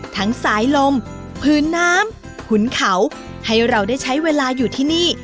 สายลมพื้นน้ำขุนเขาให้เราได้ใช้เวลาอยู่ที่นี่